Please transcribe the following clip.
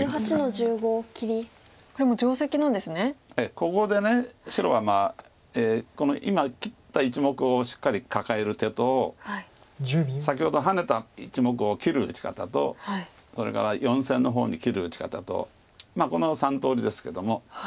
ここで白がこの今切った１目をしっかりカカえる手と先ほどハネた１目を切る打ち方とそれから４線の方に切る打ち方とこの３通りですけども。